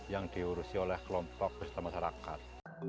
yang diurusi oleh kelompok berserta masyarakat